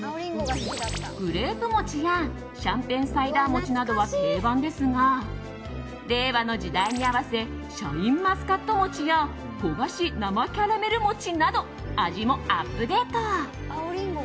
グレープ餅やシャンペンサイダー餅などは定番ですが、令和の時代に合わせシャインマスカット餅や焦がし生キャラメル餅など味もアップデート。